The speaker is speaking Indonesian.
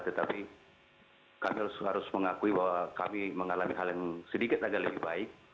tetapi kami harus mengakui bahwa kami mengalami hal yang sedikit agak lebih baik